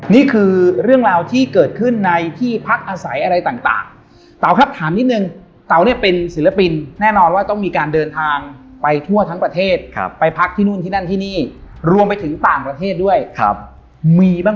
นี่คือเรื่องราวที่เกิดขึ้นในที่พักอาศัยอะไรต่างเต๋าครับถามนิดนึงเต๋าเนี่ยเป็นศิลปินแน่นอนว่าต้องมีการเดินทางไปทั่วทั้งประเทศไปพักที่นู่นที่นั่นที่นี่รวมไปถึงต่างประเทศด้วยครับมีบ้าง